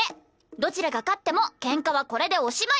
どちらが勝ってもケンカはこれでおしまい。